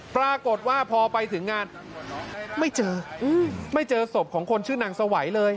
ปรากฏว่าพอไปถึงงานไม่เจอไม่เจอศพของคนชื่อนางสวัยเลย